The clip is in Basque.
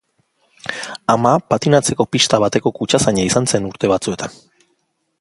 Ama patinatzeko pista bateko kutxazaina izan zen urte batzuetan.